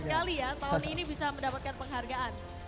saya bangga sekali ya tahun ini bisa mendapatkan penghargaan